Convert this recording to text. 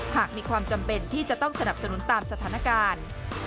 หากมีความจำเป็นที่จะต้องสนับสนุนตามสถานการณ์